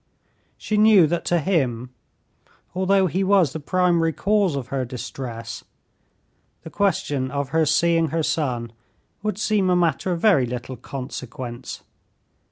She knew that to him, although he was the primary cause of her distress, the question of her seeing her son would seem a matter of very little consequence.